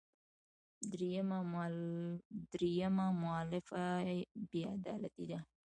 درېیمه مولفه بې عدالتي ده.